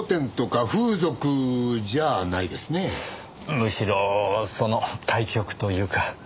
むしろその対極というか。